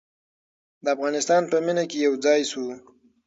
د افغانستان په مینه کې یو ځای شو.